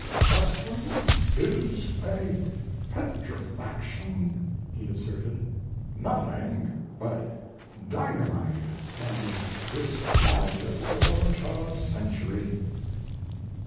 "Custom is a petrifaction," he asserted; "nothing but dynamite can dislodge it for a century."